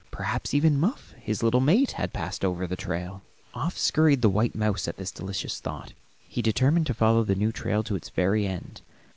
Perhaps even Muff, his little mate, had passed over the trail. Off scurried the white mouse at this delicious thought; he determined to follow the new trail to its very end.